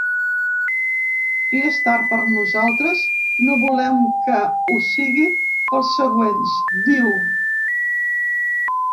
Si és tard per nosaltres, no volem que ho sigui pels següents, diu.